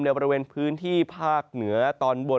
บริเวณพื้นที่ภาคเหนือตอนบน